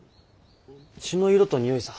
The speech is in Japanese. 血の色とにおいさ。